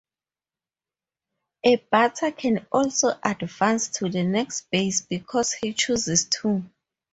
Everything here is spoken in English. A batter can also advance to the next base because he chooses to.